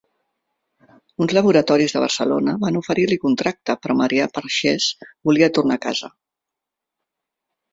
Uns laboratoris de Barcelona van oferir-li contracte però Maria Perxés volia tornar a casa.